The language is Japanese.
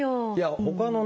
ほかのね